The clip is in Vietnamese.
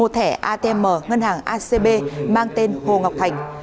một thẻ atm ngân hàng acb mang tên hồ ngọc thành